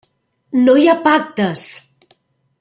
No hi ha pactes!